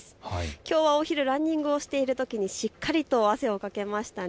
きょうはお昼、ランニングをしているときにしっかりと汗をかきました。